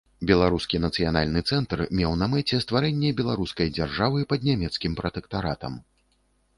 Беларускі нацыянальны цэнтр меў на мэце стварэнне беларускай дзяржавы пад нямецкім пратэктаратам.